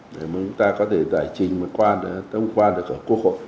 để mà chúng ta có thể giải trình và tâm quan được ở quốc hội